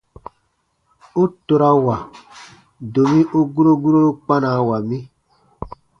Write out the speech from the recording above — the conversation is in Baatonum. U torawa, domi u guro guroru kpanawa mi.